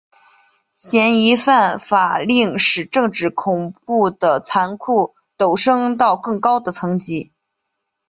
嫌疑犯法令使政治恐怖的残酷陡升到更高的层级。